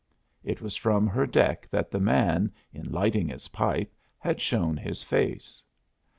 It was from her deck that the man, in lighting his pipe, had shown his face.